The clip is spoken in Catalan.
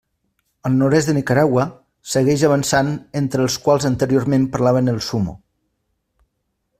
Al nord-est de Nicaragua, segueix avançant entre els quals anteriorment parlaven el Sumo.